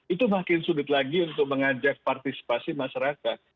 itu makin sulit lagi untuk mengajak partisipasi masyarakat